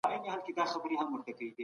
دا عکس چا ایستلی دی.